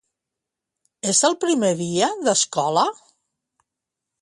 És el primer dia d'escola?